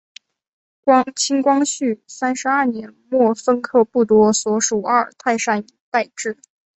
清光绪三十二年末分科布多所属阿尔泰山一带置。